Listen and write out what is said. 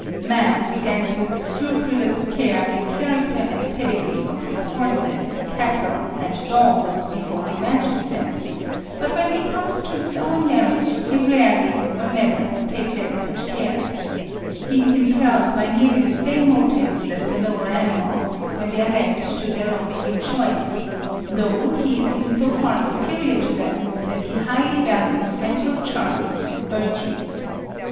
Man scans with scrupulous care the character and pedigree of his horses, cattle, and dogs before he matches them; but when he comes to his own marriage he rarely, or never, takes any such care. He is impelled by nearly the same motives as the lower animals, when they are left to their own free choice, though he is in so far superior to them that he highly values mental charms and virtues.